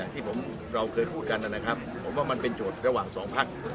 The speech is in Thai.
ที่เราเคยพูดกันนะครับผมว่ามันเป็นโจทย์ระหว่างสองพัก